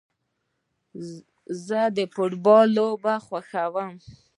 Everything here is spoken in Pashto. زه فټبال لوبه خوښوم